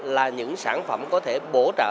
là những sản phẩm có thể bổ trợ